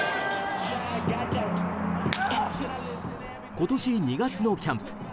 今年２月のキャンプ。